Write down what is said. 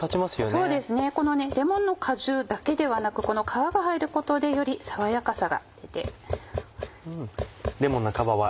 そうですねレモンの果汁だけではなく皮が入ることでより爽やかさが出て。